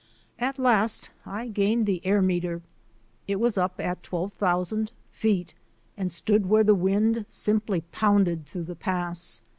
At last I gained the air meter. It was up at 12,000 feet and stood where the wind simply pounded through the pass.